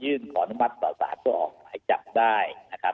หรือแน่นพอที่จะยืนผอนมัตตรศาสตรอกหมายจับได้นะครับ